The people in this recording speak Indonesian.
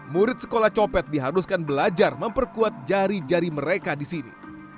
murid sekolah copet diharuskan belajar memperkuat jari jari mereka di sini